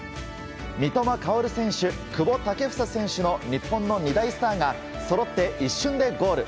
三笘薫選手、久保建英選手の日本の二大スターがそろって一瞬でゴール！